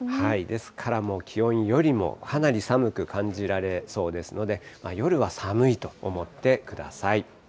ですからもう、気温よりもかなり寒く感じられそうですので、夜は寒いと思ってください。